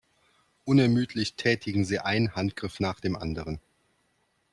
Unermüdlich tätigen sie einen Handgriff nach dem anderen.